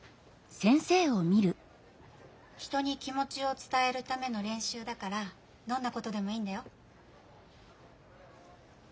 人に気もちをつたえるためのれんしゅうだからどんなことでもいいんだよ。